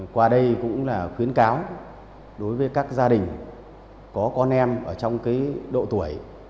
qua đây cũng là khuyến cáo đối với các gia đình có con em ở trong độ tuổi